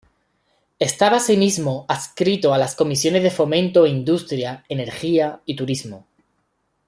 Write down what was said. Estaba así mismo adscrito a las comisiones de Fomento e Industria, Energía y Turismo.